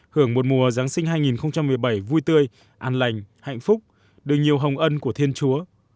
hưởng một mùa giáng sinh hai nghìn một mươi bảy vui tươi an lành hạnh phúc được nhiều hồng ân của thiên chúa